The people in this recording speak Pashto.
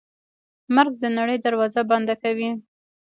مرګ د نړۍ دروازه بنده کوي.